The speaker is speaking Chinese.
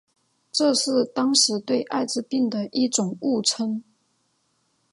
这是当时对艾滋病的一种误称。